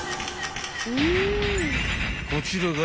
［こちらが］